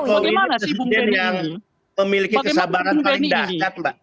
presiden jokowi ini presiden yang memiliki kesabaran paling dahsyat mbak